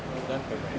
sehingga kita harapkan